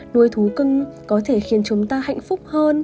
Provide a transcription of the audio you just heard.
nuôi thú cưng có thể khiến chúng ta hạnh phúc hơn